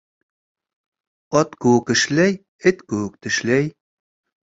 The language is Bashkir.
Ат кеүек эшләй, эт кеүек тешләй.